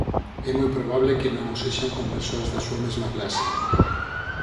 É moi probable que non o sexan con persoas da súa mesma clase;